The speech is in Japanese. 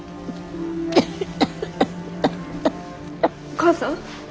お母さん？